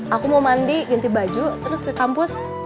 aku mau mandi inti baju terus ke kampus